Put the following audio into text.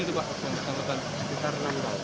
sekitar enam tahun